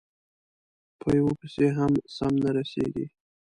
په یوه پسې هم سم نه رسېږي،